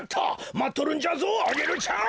まっとるんじゃぞアゲルちゃん。